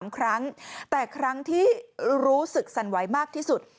๓ครั้งแต่ครั้งที่รู้สึกสั่นไหวมากที่สุด